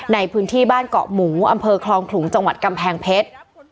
ในพื้นที่บ้านเกาะหมูอำเภอคลองขลุงจังหวัดกำแพงเพชร